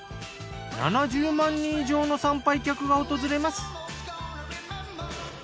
７０万人以上の参拝客が訪れます。